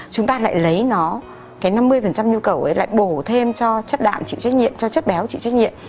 chúng ta lại lấy nó cái năm mươi nhu cầu ấy lại bổ thêm cho chất đạm chịu trách nhiệm cho chất béo chịu trách nhiệm